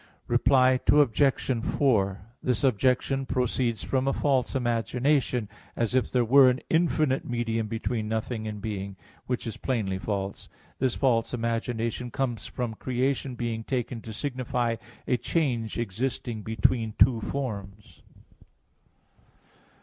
Reply Obj. 4: This objection proceeds from a false imagination, as if there were an infinite medium between nothing and being; which is plainly false. This false imagination comes from creation being taken to signify a change existing between two forms.